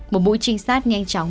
một mũi trinh sát nhanh chóng